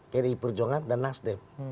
pdi perjuangan dan nasdem